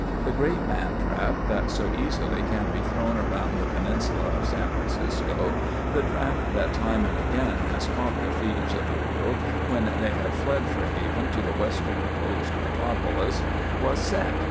The great mantrap that so easily can be thrown around the peninsula of San Francisco, the trap that time and again has caught the thieves of the world when they have fled for haven to the Western Coast metropolis, was set.